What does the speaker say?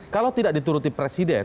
kalau tidak dituruti presiden